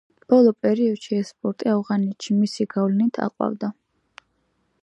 ბოლო პერიოდში, ეს სპორტი ავღანეთში მისი გავლენით აყვავდა.